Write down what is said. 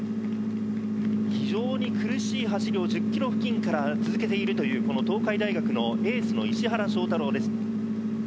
非常に苦しい走りを１０キロ付近から続けているという、この東海大学のエースの石原翔太郎です。